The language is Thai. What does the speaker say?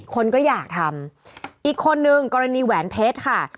คนก็อยากทำอีกคนนึงกรณีแหวนเพชรค่ะ